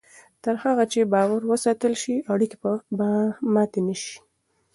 تر هغه چې باور وساتل شي، اړیکې به ماتې نه شي.